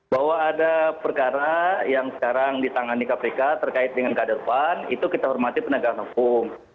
bahwa ada perkara yang sekarang ditangani kpk terkait dengan kader pan itu kita hormati penegakan hukum